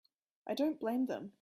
I don't blame them.